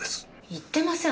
行ってません